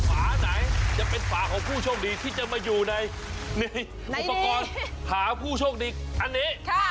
ฝาไหนจะเป็นฝาของผู้โชคดีที่จะมาอยู่ในอุปกรณ์หาผู้โชคดีอันนี้